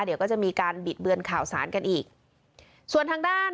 เดี๋ยวก็จะมีการบิดเบือนข่าวสารกันอีกส่วนทางด้าน